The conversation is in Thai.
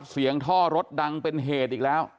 ท่อรถดังเป็นเหตุอีกแล้ว